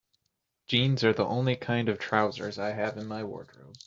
Jeans are the only kind of trousers I have in my wardrobe.